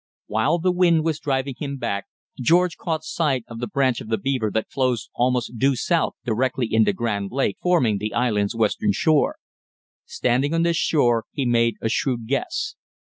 While the wind was driving him back, George caught sight of the branch of the Beaver that flows almost due south directly into Grand Lake, forming the island's western shore. Standing on this shore, he made a shrewd guess.